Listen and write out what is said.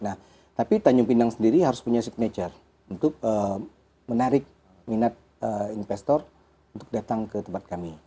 nah tapi tanjung pinang sendiri harus punya signature untuk menarik minat investor untuk datang ke tempat kami